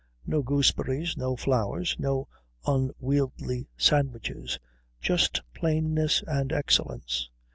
No gooseberries, no flowers, no unwieldy sandwiches; just plainness and excellence.